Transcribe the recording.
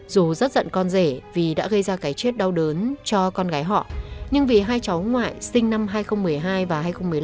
dù rất dận con rể vì đã gây ra cái chết đau đớn cho con gái họ nhưng vì hai cháu ngoại sinh năm hai nghìn một mươi hai và hai nghìn một mươi năm